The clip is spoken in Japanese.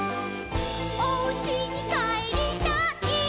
おうちにかえりたい」